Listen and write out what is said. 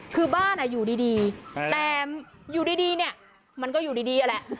คือบ้านอ่ะอยู่ดีดีแต่อยู่ดีดีเนี้ยมันก็อยู่ดีดีอ่ะแหละ